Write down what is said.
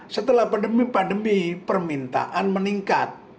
setelah pandemi pandemi permintaan meningkat